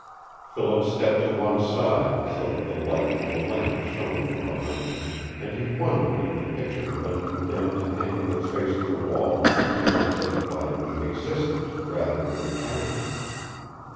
Philip stepped to one side, so that the light from the lamp shone from behind him, and he wondered if the picture had been condemned to hang with its face to the wall because it typified the existent rather than the past.